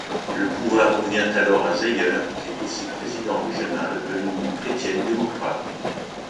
Le pouvoir revient alors à Zeyer, qui est aussi président régional de l'Union chrétienne-démocrate.